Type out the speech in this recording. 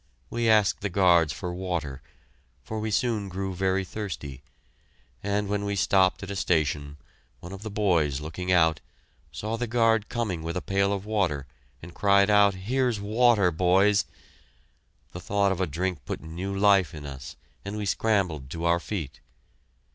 We asked the guards for water, for we soon grew very thirsty, and when we stopped at a station, one of the boys, looking out, saw the guard coming with a pail of water, and cried out, "Here's water boys!" The thought of a drink put new life in us, and we scrambled to our feet.